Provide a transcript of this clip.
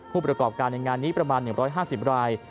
ผู้ประกอบการในงานนี้ประมาณ๑๕๐ราย